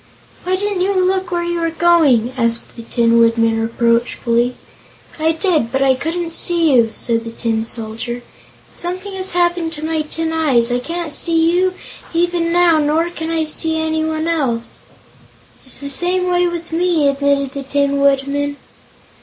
"Why didn't you look where you were going?" asked the Tin Woodman reproachfully. "I did, but I couldn't see you," said the Tin Soldier. "Something has happened to my tin eyes. I can't see you, even now, nor can I see anyone else!" "It's the same way with me," admitted the Tin Woodman.